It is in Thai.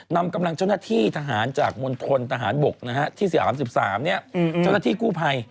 นำกำลังเจ้าหน้าที่ทหารจากมธบศ๑๓เนี่ยเจ้าหน้าที่กู้ภัย